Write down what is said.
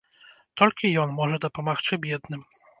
Толькі ён можа дапамагчы бедным.